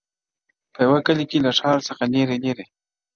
په یوه کلي کي له ښاره څخه لیري لیري!!